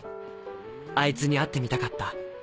あいつに会ってみたかった。